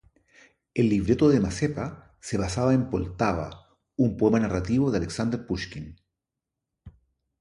El libreto de "Mazepa" se basaba en "Poltava", un poema narrativo de Aleksandr Pushkin.